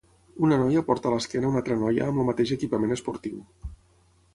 Una noia porta a l'esquena una altra noia amb el mateix equipament esportiu.